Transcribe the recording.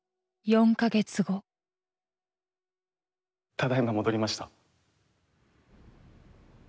ただいま戻りました。